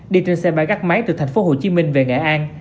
đi trên xe bay gắt máy từ tp hcm về nghệ an